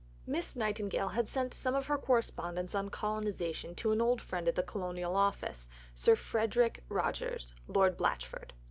Miss Nightingale had sent some of her correspondence on colonization to an old friend at the Colonial Office Sir Frederick Rogers (Lord Blachford).